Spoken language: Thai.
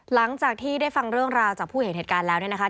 หลังจากที่ได้ฟังเรื่องราวจากผู้เห็นเหตุการณ์แล้วเนี่ยนะคะ